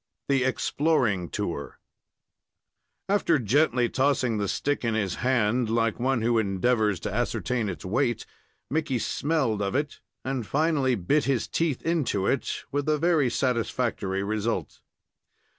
THE EXPLORING TOUR After gently tossing the stick in his hand, like one who endeavors to ascertain its weight, Mickey smelled of it, and finally bit his teeth into it, with a very satisfactory result.